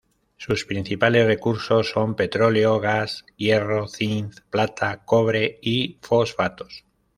Sus principales recursos son petróleo, gas, hierro, zinc, plata, cobre y fosfatos.